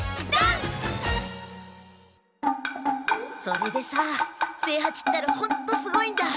それでさ清八ったらホントすごいんだ！